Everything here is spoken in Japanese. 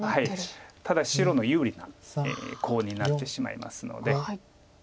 ただ白の有利なコウになってしまいますので。